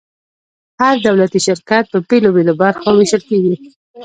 هر دولتي شرکت په بیلو بیلو برخو ویشل کیږي.